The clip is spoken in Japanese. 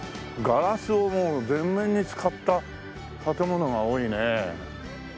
ガラスをもう全面に使った建物が多いね。